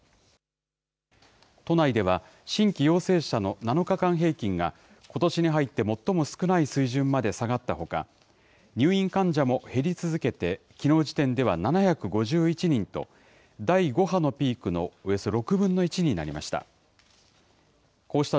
都内では新規陽性者の７日間平均が、ことしに入って最も少ない水準まで下がったほか、入院患者も減り続けて、きのう時点では７５１人と、第５波のピークのおよそ６分の１になりました。